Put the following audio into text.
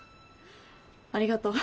ありがとう。